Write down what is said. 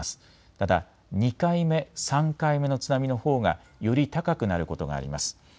ただ２回目、３回目の津波のほうがより高くなることがあります。